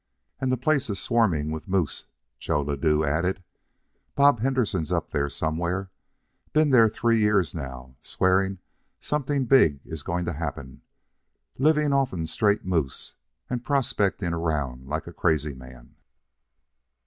"And the place is swarming with moose," Joe Ladue added. "Bob Henderson's up there somewhere, been there three years now, swearing something big is going to happen, living off'n straight moose and prospecting around like a crazy man."